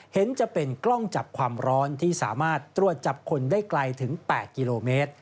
เห็นจะเป็นกล้องจับความร้อนที่สามารถตรวจจับคนได้ไกลถึง๘กิโลเมตร